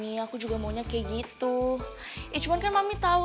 janji neng lagi di jalan kok mbak